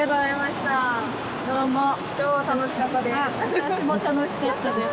私も楽しかったです。